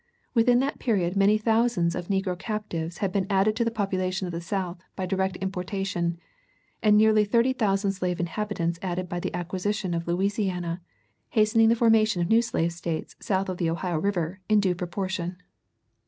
"Within that period many thousands of negro captives had been added to the population of the South by direct importation, and nearly thirty thousand slave inhabitants added by the acquisition of Louisiana, hastening the formation of new slave States south of the Ohio River in due proportion."